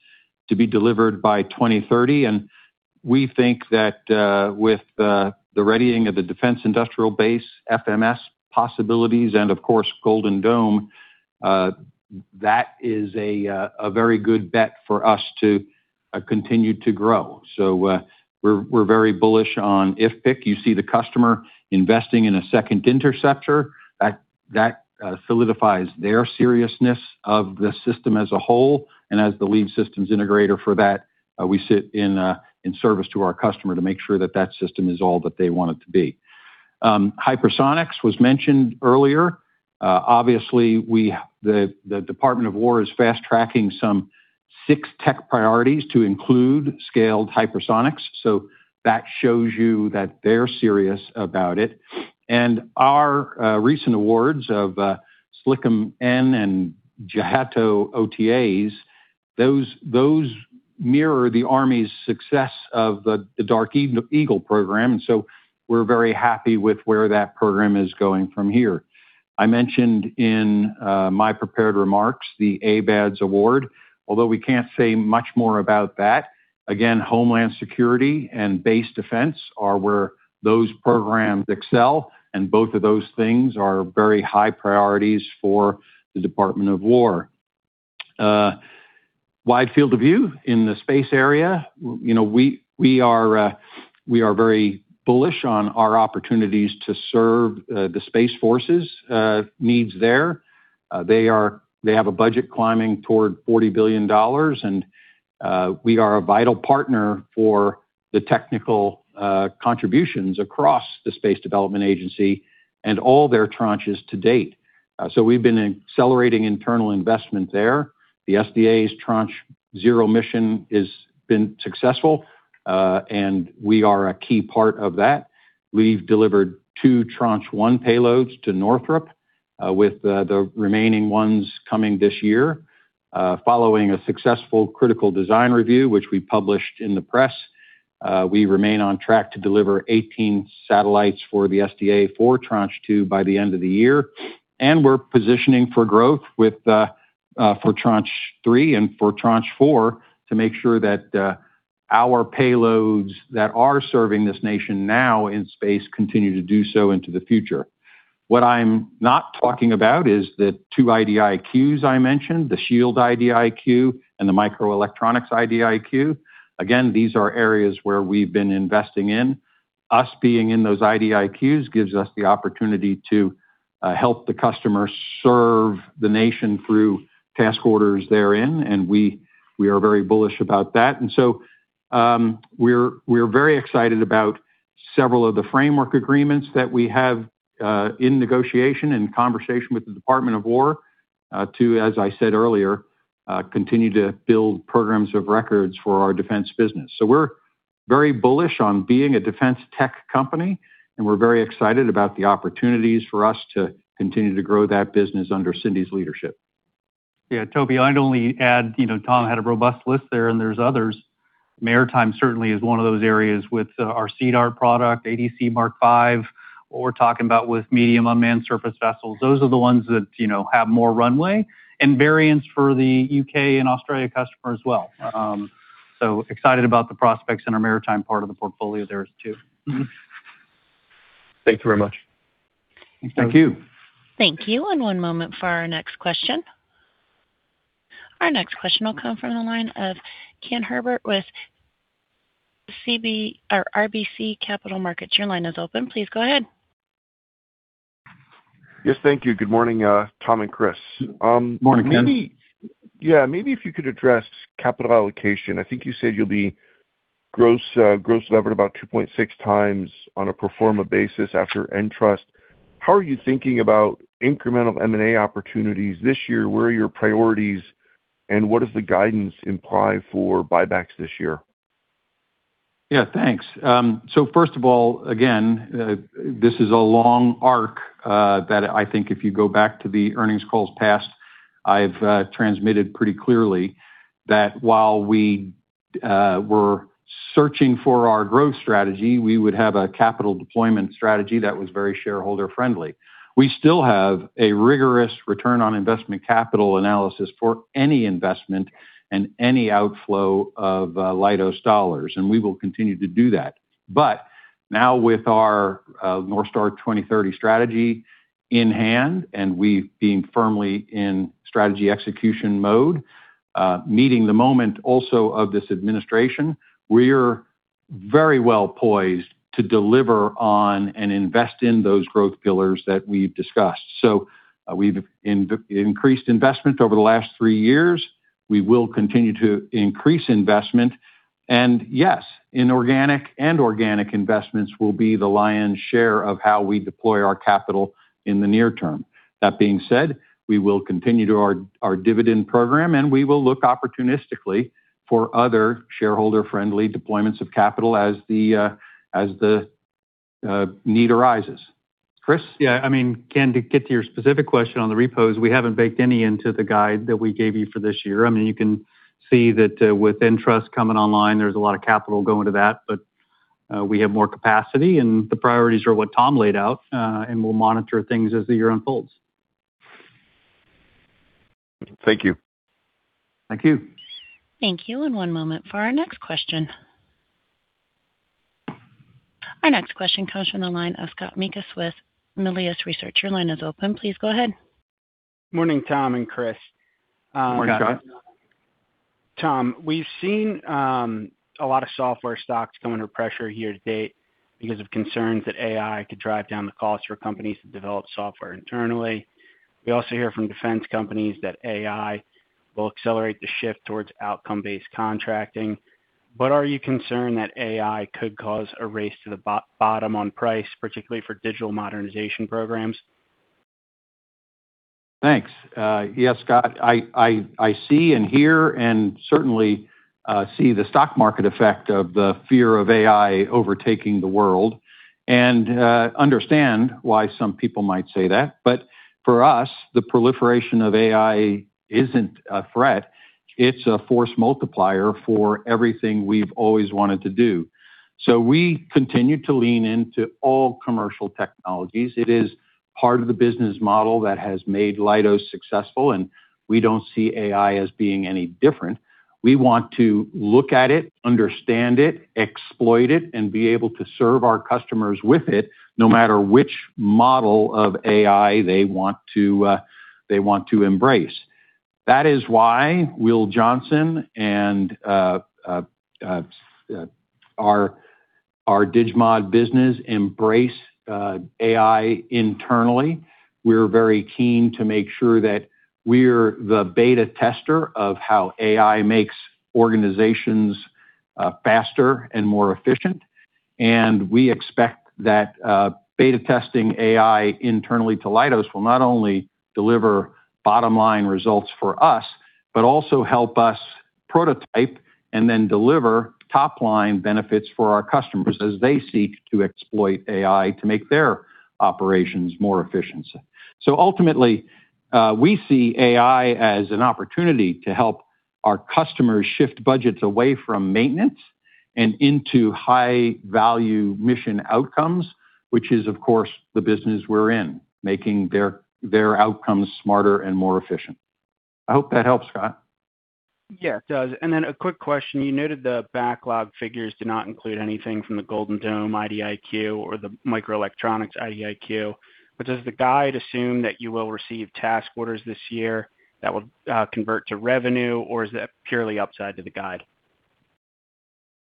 to be delivered by 2030, and we think that, with the, the readying of the defense industrial base, FMS possibilities, and of course, Golden Dome, that is a, a very good bet for us to, continue to grow. So, we're, we're very bullish on IFPC. You see the customer investing in a second interceptor, that solidifies their seriousness of the system as a whole, and as the lead systems integrator for that, we sit in service to our customer to make sure that that system is all that they want it to be. Hypersonics was mentioned earlier. Obviously, the Department of War is fast-tracking some six tech priorities to include scaled hypersonics, so that shows you that they're serious about it. And our recent awards of SLCM-N and JHTO OTAs, those mirror the Army's success of the Dark Eagle program, and so we're very happy with where that program is going from here. I mentioned in my prepared remarks, the ABADS award, although we can't say much more about that. Again, homeland security and base defense are where those programs excel, and both of those things are very high priorities for the Department of War. Wide field of view in the space area. You know, we are very bullish on our opportunities to serve the space forces needs there. They have a budget climbing toward $40 billion, and we are a vital partner for the technical contributions across the Space Development Agency and all their tranches to date. So we've been accelerating internal investment there. The SDA's Tranche 0 mission is been successful, and we are a key part of that. We've delivered to Tranche 1 payloads to Northrop, with the remaining ones coming this year. Following a successful critical design review, which we published in the press, we remain on track to deliver 18 satellites for the SDA for Tranche 2 by the end of the year. We're positioning for growth with the for Tranche 3 and for Tranche 4 to make sure that our payloads that are serving this nation now in space continue to do so into the future. What I'm not talking about is the two IDIQs I mentioned, the SHIELD IDIQ and the Microelectronics IDIQ. Again, these are areas where we've been investing in. Us being in those IDIQs gives us the opportunity to help the customer serve the nation through task orders therein, and we are very bullish about that. And so, we're very excited about several of the framework agreements that we have in negotiation and conversation with the Department of Defense, as I said earlier, continue to build programs of records for our defense business. So we're very bullish on being a defense tech company, and we're very excited about the opportunities for us to continue to grow that business under Cindy's leadership. Yeah, Tobey, I'd only add, you know, Tom had a robust list there, and there's others. Maritime certainly is one of those areas with our CDAR product, ADC MK5, what we're talking about with medium unmanned surface vessels. Those are the ones that, you know, have more runway and variants for the UK and Australia customer as well. So excited about the prospects in our maritime part of the portfolio there, too. Thank you very much. Thank you. Thank you. One moment for our next question. Our next question will come from the line of Ken Herbert with RBC Capital Markets. Your line is open. Please go ahead. Yes, thank you. Good morning, Tom and Chris. Morning, Ken. Maybe if you could address capital allocation. I think you said you'll be gross levered about 2.6 times on a pro forma basis after Entrust. How are you thinking about incremental M&A opportunities this year? Where are your priorities, and what does the guidance imply for buybacks this year? Yeah, thanks. So first of all, again, this is a long arc that I think if you go back to the earnings calls past, I've transmitted pretty clearly that while we were searching for our growth strategy, we would have a capital deployment strategy that was very shareholder friendly. We still have a rigorous return on investment capital analysis for any investment and any outflow of Leidos dollars, and we will continue to do that. But now with our NorthStar 2030 strategy in hand, and we've been firmly in strategy execution mode, meeting the moment also of this administration, we're very well poised to deliver on and invest in those growth pillars that we've discussed. So we've increased investment over the last three years. We will continue to increase investment. Yes, inorganic and organic investments will be the lion's share of how we deploy our capital in the near term. That being said, we will continue to our dividend program, and we will look opportunistically for other shareholder-friendly deployments of capital as the need arises. Chris? Yeah, I mean, Ken, to get to your specific question on the repos, we haven't baked any into the guide that we gave you for this year. I mean, you can see that, with Entrust coming online, there's a lot of capital going to that, but, we have more capacity, and the priorities are what Tom laid out. And we'll monitor things as the year unfolds. Thank you. Thank you. Thank you. One moment for our next question. Our next question comes from the line of Scott Mikus with Melius Research. Your line is open. Please go ahead. Morning, Tom and Chris. Morning, Scott. Tom, we've seen a lot of software stocks come under pressure here to date because of concerns that AI could drive down the costs for companies to develop software internally. We also hear from defense companies that AI will accelerate the shift towards outcome-based contracting. But are you concerned that AI could cause a race to the bottom on price, particularly for digital modernization programs? Thanks. Yes, Scott, I see and hear and certainly see the stock market effect of the fear of AI overtaking the world, and understand why some people might say that. But for us, the proliferation of AI isn't a threat, it's a force multiplier for everything we've always wanted to do. So we continue to lean into all commercial technologies. It is part of the business model that has made Leidos successful, and we don't see AI as being any different. We want to look at it, understand it, exploit it, and be able to serve our customers with it, no matter which model of AI they want to embrace. That is why Will Johnson and our DigMod business embrace AI internally. We're very keen to make sure that we're the beta tester of how AI makes organizations, faster and more efficient. And we expect that, beta testing AI internally to Leidos will not only deliver bottom-line results for us, but also help us prototype and then deliver top-line benefits for our customers as they seek to exploit AI to make their operations more efficient. So ultimately, we see AI as an opportunity to help our customers shift budgets away from maintenance and into high-value mission outcomes, which is, of course, the business we're in, making their, their outcomes smarter and more efficient. I hope that helps, Scott. Yeah, it does. And then a quick question. You noted the backlog figures do not include anything from the Golden Dome IDIQ or the Microelectronics IDIQ, but does the guide assume that you will receive task orders this year that will convert to revenue, or is that purely upside to the guide?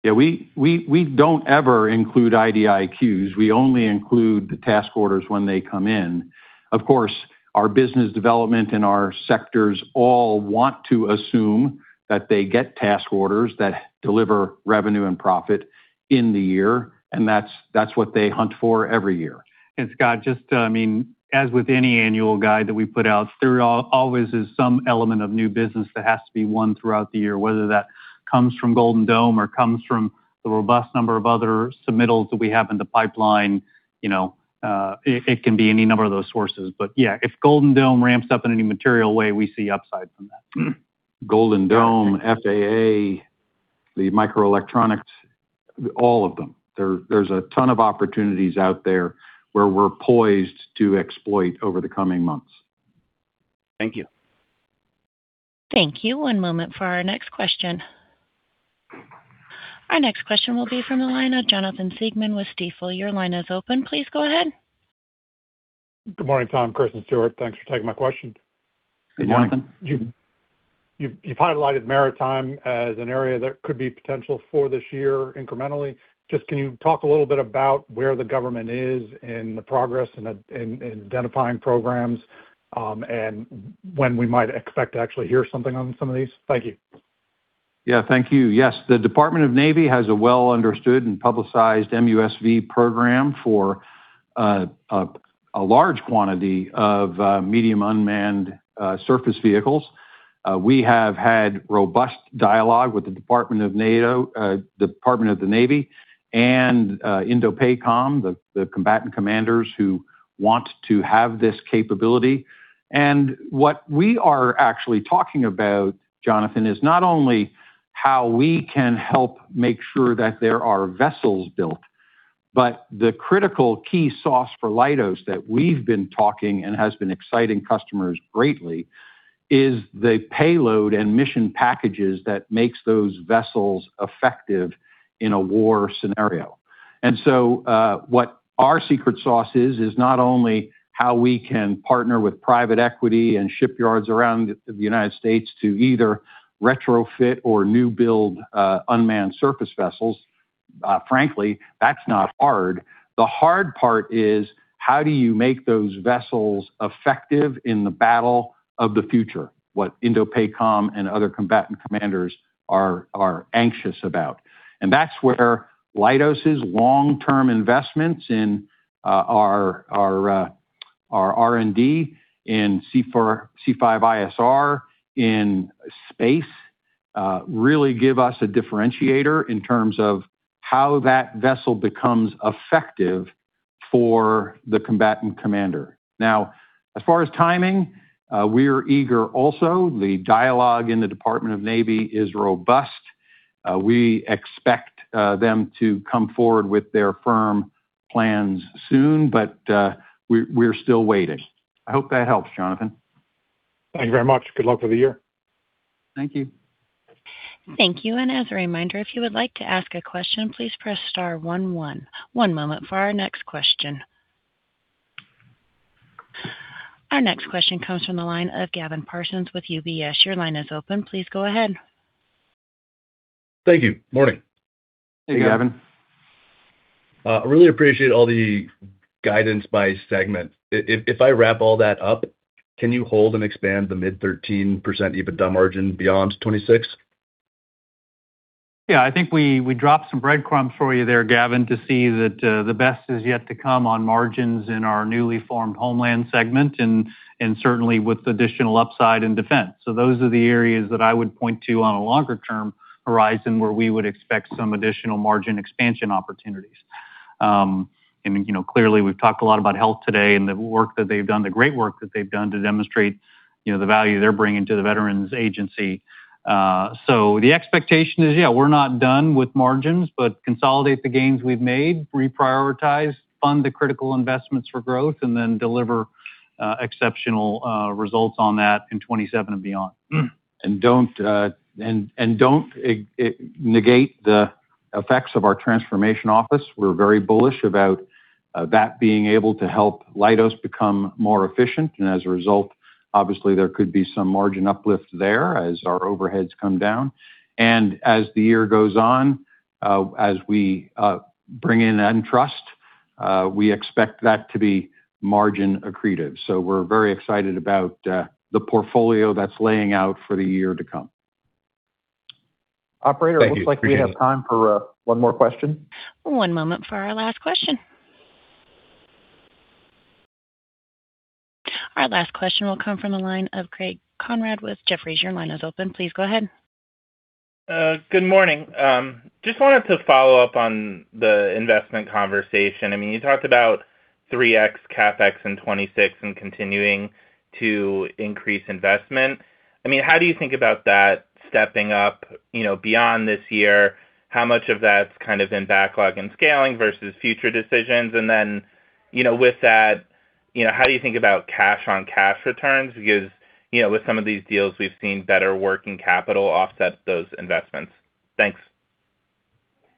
Yeah, we don't ever include IDIQs. We only include the task orders when they come in. Of course, our business development and our sectors all want to assume that they get task orders that deliver revenue and profit in the year, and that's what they hunt for every year. And Scott, just, I mean, as with any annual guide that we put out, there always is some element of new business that has to be won throughout the year, whether that comes from Golden Dome or comes from the robust number of other submittals that we have in the pipeline. You know, it can be any number of those sources. But yeah, if Golden Dome ramps up in any material way, we see upside from that. Golden Dome, FAA, the Microelectronics, all of them. There, there's a ton of opportunities out there where we're poised to exploit over the coming months. Thank you. Thank you. One moment for our next question. Our next question will be from the line of Jonathan Siegman with Stifel. Your line is open. Please go ahead. Good morning, Tom, Chris, and Stuart. Thanks for taking my question. Good morning. Hey, Jonathan. You've highlighted maritime as an area that could be potential for this year incrementally. Just, can you talk a little bit about where the government is in the progress in identifying programs, and when we might expect to actually hear something on some of these? Thank you. Yeah, thank you. Yes, the Department of the Navy has a well-understood and publicized MUSV program for a large quantity of medium unmanned surface vehicles. We have had robust dialogue with the Department of the Navy and INDOPACOM, the combatant commanders who want to have this capability. And what we are actually talking about, Jonathan, is not only how we can help make sure that there are vessels built, but the critical key sauce for Leidos that we've been talking and has been exciting customers greatly, is the payload and mission packages that makes those vessels effective in a war scenario. And so, what our secret sauce is, is not only how we can partner with private equity and shipyards around the United States to either retrofit or new build unmanned surface vessels. Frankly, that's not hard. The hard part is: How do you make those vessels effective in the battle of the future? What INDOPACOM and other combatant commanders are anxious about. And that's where Leidos long-term investments in our R&D, in C5ISR, in space. Really give us a differentiator in terms of how that vessel becomes effective for the combatant commander. Now, as far as timing, we're eager also. The dialogue in the Department of Navy is robust. We expect them to come forward with their firm plans soon, but we're still waiting. I hope that helps, Jonathan. Thank you very much. Good luck with the year. Thank you. Thank you, and as a reminder, if you would like to ask a question, please press star one one. One moment for our next question. Our next question comes from the line of Gavin Parsons with UBS. Your line is open. Please go ahead. Thank you. Morning. Hey, Gavin. I really appreciate all the guidance by segment. If I wrap all that up, can you hold and expand the mid-13% EBITDA margin beyond 26? Yeah, I think we dropped some breadcrumbs for you there, Gavin, to see that the best is yet to come on margins in our newly formed homeland segment and certainly with additional upside in defense. So those are the areas that I would point to on a longer term horizon, where we would expect some additional margin expansion opportunities. And you know, clearly, we've talked a lot about health today and the work that they've done, the great work that they've done to demonstrate you know, the value they're bringing to the veterans agency. So the expectation is, yeah, we're not done with margins, but consolidate the gains we've made, reprioritize, fund the critical investments for growth, and then deliver exceptional results on that in 2027 and beyond. Don't negate the effects of our transformation office. We're very bullish about that being able to help Leidos become more efficient, and as a result, obviously there could be some margin uplift there as our overheads come down. As the year goes on, as we bring in Entrust, we expect that to be margin accretive. We're very excited about the portfolio that's laying out for the year to come. Operator. Thank you. Looks like we have time for one more question. One moment for our last question. Our last question will come from the line of Greg Konrad with Jefferies. Your line is open. Please go ahead. Good morning. Just wanted to follow up on the investment conversation. I mean, you talked about 3x CapEx in 2026 and continuing to increase investment. I mean, how do you think about that stepping up, you know, beyond this year? How much of that's kind of in backlog and scaling versus future decisions? And then, you know, with that, you know, how do you think about cash-on-cash returns? Because, you know, with some of these deals, we've seen better working capital offset those investments. Thanks.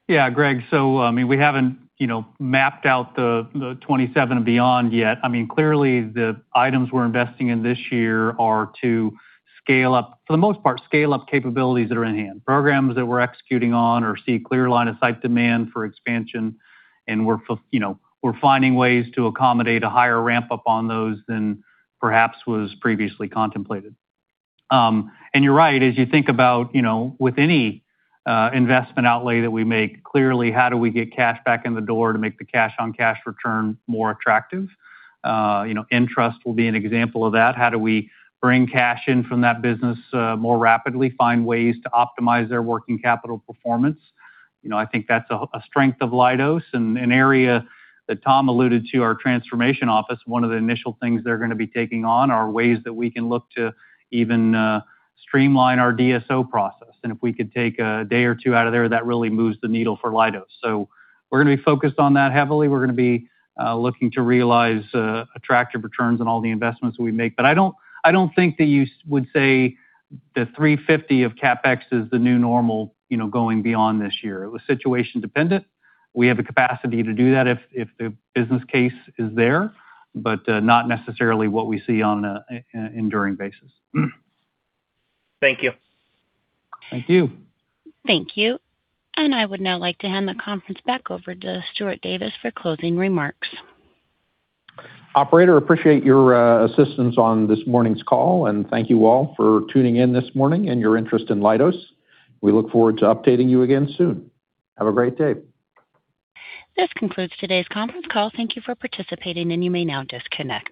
Yeah, Greg. So, I mean, we haven't, you know, mapped out the 27 and beyond yet. I mean, clearly the items we're investing in this year are to scale up, for the most part, scale up capabilities that are in hand, programs that we're executing on or see clear line of sight demand for expansion, and we're, you know, finding ways to accommodate a higher ramp-up on those than perhaps was previously contemplated. And you're right, as you think about, you know, with any investment outlay that we make, clearly, how do we get cash back in the door to make the cash-on-cash return more attractive? You know, Entrust will be an example of that. How do we bring cash in from that business more rapidly, find ways to optimize their working capital performance? You know, I think that's a strength of Leidos and an area that Tom alluded to our transformation office. One of the initial things they're gonna be taking on are ways that we can look to even streamline our DSO process. And if we could take a day or two out of there, that really moves the needle for Leidos. So we're gonna be focused on that heavily. We're gonna be looking to realize attractive returns on all the investments we make. But I don't think that you would say the $350 of CapEx is the new normal, you know, going beyond this year. It was situation dependent. We have the capacity to do that if the business case is there, but not necessarily what we see on an enduring basis. Thank you. Thank you. Thank you. I would now like to hand the conference back over to Stuart Davis for closing remarks. Operator, appreciate your assistance on this morning's call, and thank you all for tuning in this morning and your interest in Leidos. We look forward to updating you again soon. Have a great day. This concludes today's conference call. Thank you for participating, and you may now disconnect.